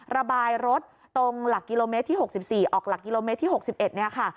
ระบายรถตรงหลักกิโลเมตรที่๖๔ออกหลักกิโลเมตรที่๖๑เนี่ยค่ะ